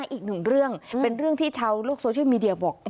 อีกหนึ่งเรื่องเป็นเรื่องที่ชาวโลกโซเชียลมีเดียบอก